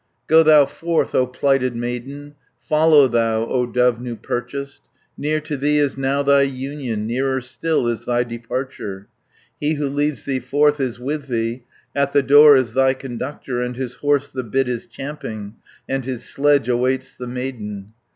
"Go thou forth. O plighted maiden, Follow thou, O dove new purchased! 50 Near to thee is now thy union, Nearer still is thy departure, He who leads thee forth is with thee, At the door is thy conductor, And his horse the bit is champing, And his sledge awaits the maiden.